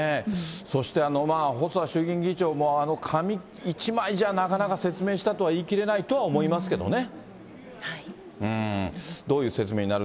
そして細田衆議院議長も紙一枚じゃ、なかなか説明したとは言い切れないとは思いますけどね。